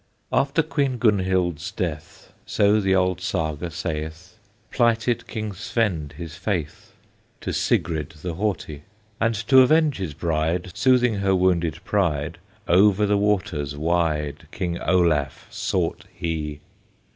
After Queen Gunhild's death, So the old Saga saith, Plighted King Svend his faith To Sigrid the Haughty; And to avenge his bride, Soothing her wounded pride, Over the waters wide King Olaf sought he.